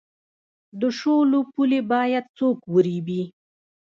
د شولو پولې باید څوک وریبي؟